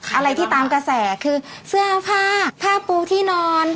อะไรที่ตามกระแสคือเสื้อผ้าผ้าปูที่นอน